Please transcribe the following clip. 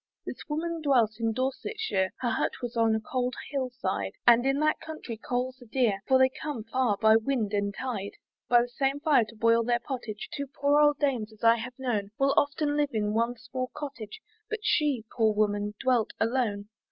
This woman dwelt in Dorsetshire, Her hut was on a cold hill side, And in that country coals are dear, For they come far by wind and tide. By the same fire to boil their pottage, Two poor old dames, as I have known, Will often live in one small cottage, But she, poor woman, dwelt alone.